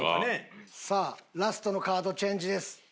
さあラストのカードチェンジです。